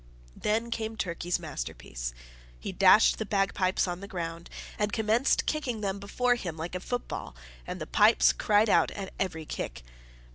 Then came Turkey's masterpiece. He dashed the bagpipes on the ground, and commenced kicking them before him like a football, and the pipes cried out at every kick.